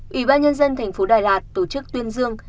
ủy ban nhân dân thành phố đà lạt tổ chức tuyên dương